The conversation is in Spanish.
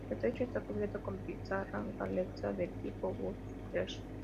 El techo está cubierto con pizarra galesa del tipo Dutchess.